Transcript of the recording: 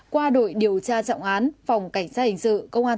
qua đội điều tra trọng án